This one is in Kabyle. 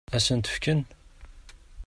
Ad sen-ten-fken?